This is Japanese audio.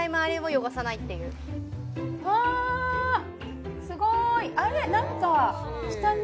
あすごいあれ？